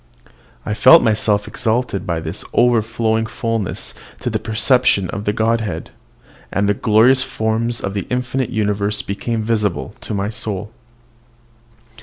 I felt myself exalted by this overflowing fulness to the perception of the Godhead, and the glorious forms of an infinite universe became visible to my soul!